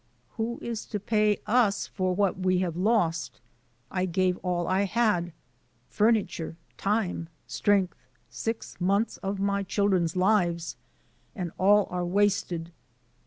"Who is to pay us for what we have lost? I gave all I had, — furniture, time, strength, six months of my children's lives, — and all are wasted.